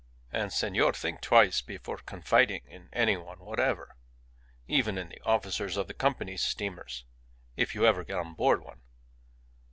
And, senor, think twice before confiding in any one whatever; even in the officers of the Company's steamers, if you ever get on board one.